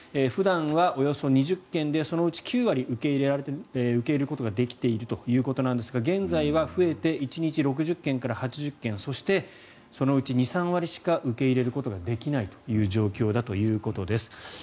普段はおよそ２０件でそのうち９割受け入れることができているということですが現在は増えて１日６０件から８０件そして、そのうち２３割しか受け入れることができないという状況だということです。